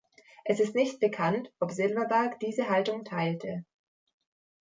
Es ist nicht bekannt, ob Silverberg diese Haltung teilte.